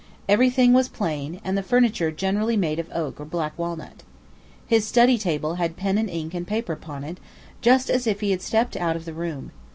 Every thing was plain, and the furniture generally made of oak or black walnut. His study table had pen and ink and paper upon it, just as if he had stepped out of the room.